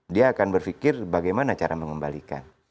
dia akan berpikir bagaimana cara mengembalikan